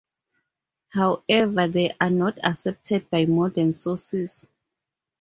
However, they are not accepted by modern sources.